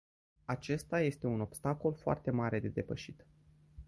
Acesta este un obstacol foarte mare de depășit.